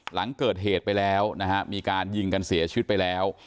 หลังเกิดเหตุไปแล้วนะฮะมีการยิงกันเสียชีวิตไปแล้ว